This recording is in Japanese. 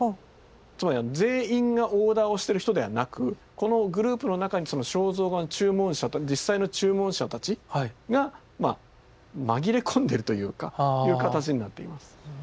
つまり全員がオーダーをしてる人ではなくこのグループの中にその肖像画の注文者実際の注文者たちが紛れ込んでるというかそういう形になっています。